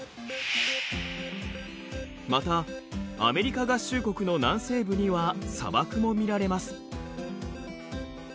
またアメリカ合衆国の南西部には砂漠も見られます。